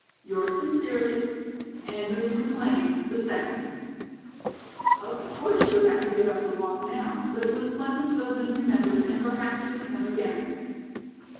"Yours sincerely, "ANDREW MCLEAN, 2D." Of course, she would have to give up the walk now, but it was pleasant to have been remembered and perhaps he would come again.